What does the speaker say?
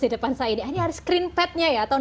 di depan saya ini ini ada screenpad nya ya atau